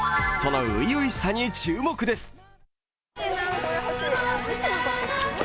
その初々しさに注目です。